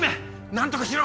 何とかしろ！